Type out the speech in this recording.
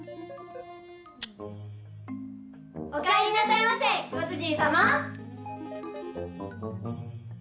おかえりなさいませご主人様！